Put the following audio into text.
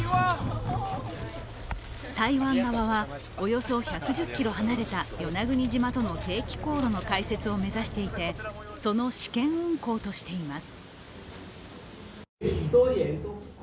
台湾側はおよそ１１０ｋｍ離れた与那国島との定期航路の開設を目指していてその試験運航としています。